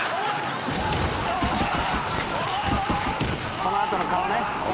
「この後の顔ね」